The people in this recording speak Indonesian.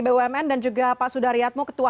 bumn dan juga pak sudaryatmo ketua